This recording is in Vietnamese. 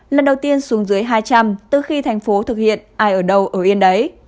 lần đầu tiên xuống dưới hai trăm linh từ khi thành phố thực hiện ai ở đâu ở yên đấy